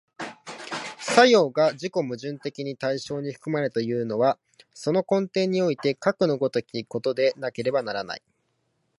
作用が自己矛盾的に対象に含まれるというのは、その根底においてかくの如きことでなければならない。